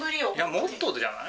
もっとじゃない？